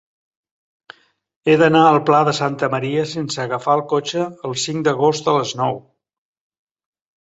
He d'anar al Pla de Santa Maria sense agafar el cotxe el cinc d'agost a les nou.